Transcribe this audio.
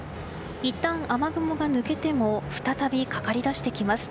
いったん雨雲が抜けても再びかかりだしてきます。